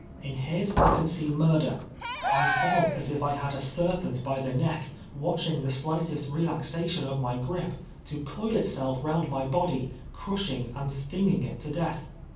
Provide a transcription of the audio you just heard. In his I could see mur der. I felt as if I had a ser]3ent by the neck, watch ing the slightest relaxation of my gripe, to coil itself round my body, crushing and stinging it to death.